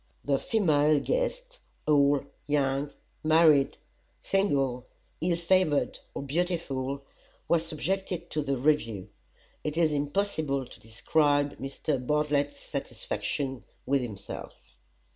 The female guests old, young, married, single, ill favored or beautiful were subjected to the review. It is impossible to describe Mr. Bartlett's satisfaction with himself.